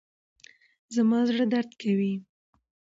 زما زړه درد کوي.